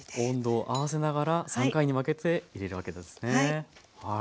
温度を合わせながら３回に分けて入れるわけですね。